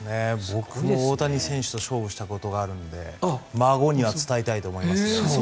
僕も大谷選手と勝負したことがあるので孫には伝えたいと思いますね。